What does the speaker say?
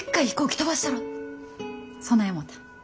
そない思た。